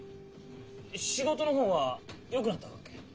仕事の方がよくなったわけ？